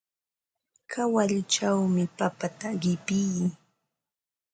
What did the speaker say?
Kawalluchawmi papata qipii.